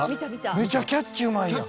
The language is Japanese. めちゃキャッチうまいやん。